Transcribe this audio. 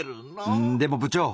「うんでも部長！」。